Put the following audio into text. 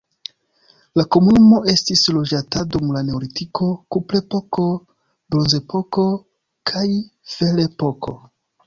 La komunumo estis loĝata dum la neolitiko, kuprepoko, bronzepoko kaj ferepoko.